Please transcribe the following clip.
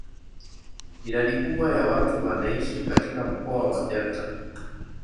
Idadi kubwa ya watu wanaishi katika mkoa wa delta.